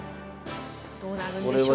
どうなるんでしょうか。